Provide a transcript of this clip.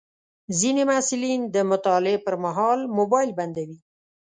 ځینې محصلین د مطالعې پر مهال موبایل بندوي.